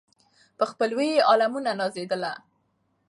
په خپلوي یې عالمونه نازېدله